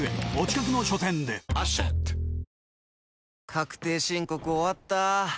確定申告終わった。